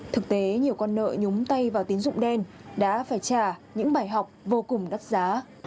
thực tế nhiều con nợ nhúng tay vào tín dụng đen đã phải trả những bài học vô cùng đắt giá